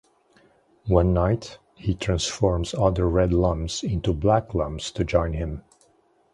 One night, he transforms other Red Lums into Black Lums to join him.